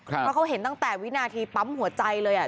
เพราะเขาเห็นตั้งแต่วินาทีปั๊มหัวใจเลย